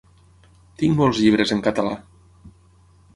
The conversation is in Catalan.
Tinc molts llibres en català.